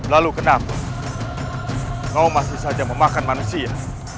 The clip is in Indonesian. lalu kenapa kau masih saja memakan manusia